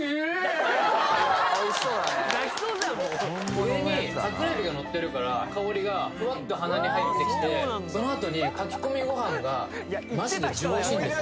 上に桜海老がのってるから香りがフワッて鼻に入ってきてそのあとに炊き込みご飯がマジで上品です